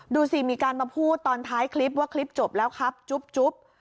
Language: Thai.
ดูสิมีการมาพูดตอนท้ายคลิปว่าคลิปจบแล้วครับจุ๊บ